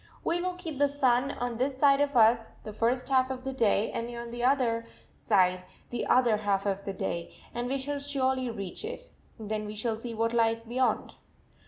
"We will keep the sun on this side of us the first half of the day and on the other side the other half of the day and we shall surely reach it. Then we shall see what lies beyond."